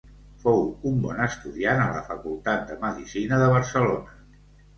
Fou un bon estudiant a la Facultat de Medicina de Barcelona.